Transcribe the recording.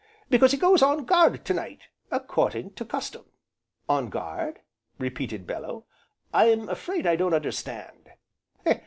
because he goes on guard, to night, according to custom." "On guard!" repeated Bellew, "I'm afraid I don't understand."